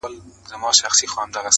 چي یې قبر د بابا ورته پېغور سو!.